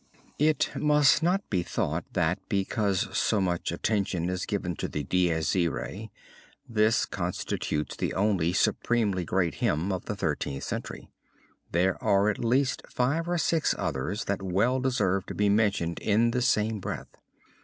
It must not be thought that, because so much attention is given to the Dies Irae, this constitutes the only supremely great hymn of the Thirteenth Century. There are at least five or six others that well deserve to be mentioned in the same breath.